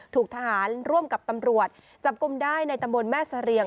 ถูกทหารร่วมกับตำรวจจับกลุ่มได้ในตำบลแม่เสรียง